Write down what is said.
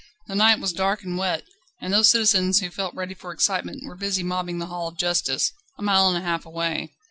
The night was dark and wet, and those citizens who felt ready for excitement were busy mobbing the Hall of Justice, a mile and a half away.